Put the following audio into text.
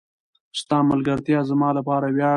ستا ملګرتیا زما لپاره وياړ دی.